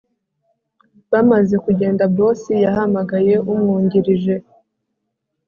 bamaze kugenda boss yahamagaye umwungirije